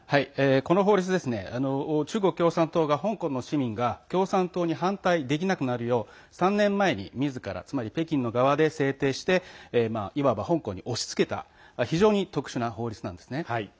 この法律、中国共産党が香港の市民が共産党に反対できなくなるよう３年前にみずから北京の側で制定していわば香港に押しつけた非常に特殊な法律なんです。